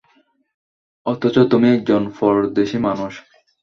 অথচ তুমি একজন পরদেশী মানুষ।